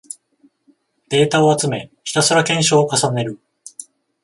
データを集め、ひたすら検証を重ねる